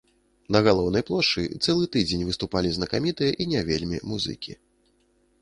На галоўнай плошчы цэлы тыдзень выступалі знакамітыя і не вельмі музыкі.